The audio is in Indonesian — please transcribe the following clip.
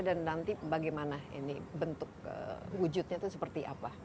dan nanti bagaimana ini bentuk wujudnya itu seperti apa